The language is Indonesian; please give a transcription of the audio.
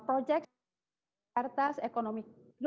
proyeksi jakarta ekonomi di dua ribu dua puluh satu